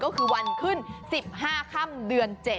ก็คือวันขึ้น๑๕ค่ำเดือน๗